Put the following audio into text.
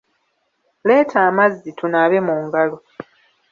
Leeta amazzi tunaabe mu ngalo.